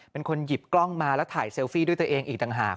เป็นคนหยิบกล้องมาแล้วถ่ายเซลฟี่ด้วยตัวเองอีกต่างหาก